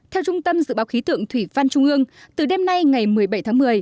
theo trung tâm dự báo khí tượng thủy văn trung ương từ đêm nay ngày một mươi bảy tháng một mươi